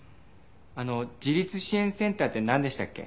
あの自立支援センターってなんでしたっけ？